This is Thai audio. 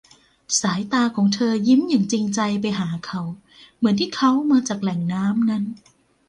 สายตาของเธอยิ้มอย่างจริงใจไปหาเขา เหมือนที่เขามาจากแหล่งน้ำนั้น